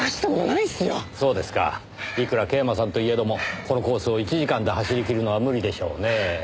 いくら桂馬さんといえどもこのコースを１時間で走りきるのは無理でしょうねぇ。